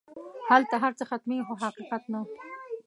هلته هر څه ختمېږي خو حقیقت نه.